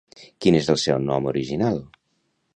Quin és el seu nom original?